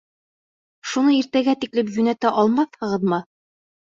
Шуны иртәгә тиклем йүнәтә алмаҫһығыҙмы?